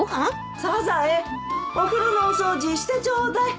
お風呂のお掃除してちょうだい。